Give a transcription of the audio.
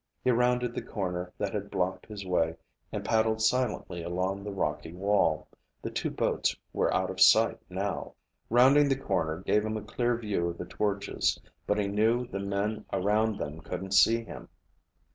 He rounded the corner that had blocked his way and paddled silently along the rocky wall. The two boats were out of sight now. Rounding the corner gave him a clear view of the torches, but he knew the men around them couldn't see him.